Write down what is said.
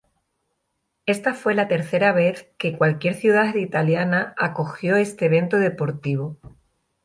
Esta fue la tercera vez que cualquier ciudad italiana acogió este evento deportivo.